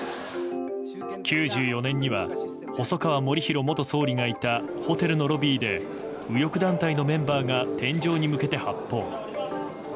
９４年には細川護熙元総理がいたホテルのロビーで右翼団体のメンバーが天井に向けて発砲。